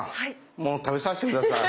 もう食べさせて下さい。